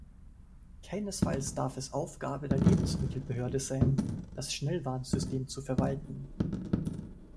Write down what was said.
Keinesfalls darf es Aufgabe der Lebensmittelbehörde sein, das Schnellwarnsystem zu verwalten.